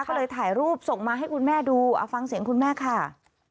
ก็เลยถ่ายรูปส่งมาให้คุณแม่ดูเอาฟังเสียงคุณแม่ค่ะ